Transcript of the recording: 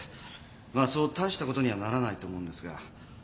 まあそう大したことにはならないと思うんですが。